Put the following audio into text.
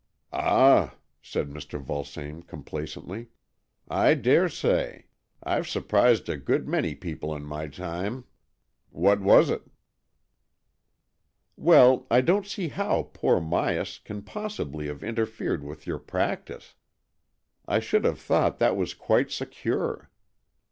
104 AN EXCHANGE OF SOULS ^^Ah/' said Mr. Vulsame complacently, " I dare say. Fve surprised a good many people in my time. What was it? " ''Well, I don't see how poor Myas can possibly have interfered with your practice. I should have thought that was quite secure.